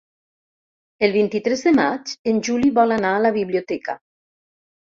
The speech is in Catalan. El vint-i-tres de maig en Juli vol anar a la biblioteca.